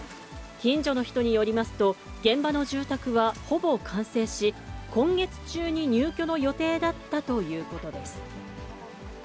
近所の人によりますと、現場の住宅はほぼ完成し、今月中に入居の予定だったということです。